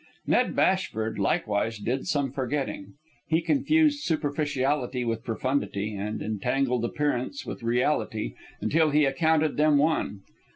Ned Bashford likewise did some forgetting. He confused superficiality with profundity, and entangled appearance with reality until he accounted them one.